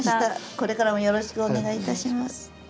これからもよろしくお願いいたします。